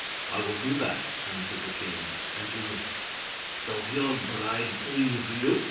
'I will do that,' answered the king, and he went. 'Does your bride please you?